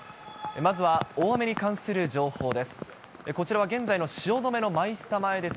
まずは大雨に関する情報です。